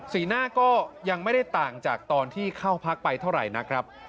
สีหน้าก็ยังไม่ได้ต่างจากตอนที่เข้าพักไปเท่าไหร่นักครับ